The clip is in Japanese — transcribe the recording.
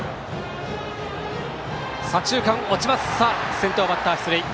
先頭バッター出塁。